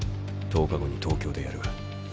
１０日後に東京でやる。